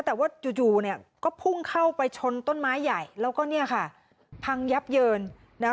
แต่ว่าอยู่อยู่เนี่ยก็พุ่งเข้าไปชนต้นไม้ใหญ่แล้วก็เนี่ยค่ะพังยับเยินนะคะ